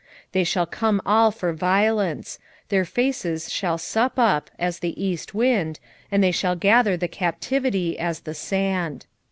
1:9 They shall come all for violence: their faces shall sup up as the east wind, and they shall gather the captivity as the sand.